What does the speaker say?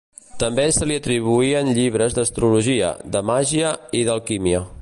També se li atribuïen llibres d'astrologia, de màgia i d'alquímia.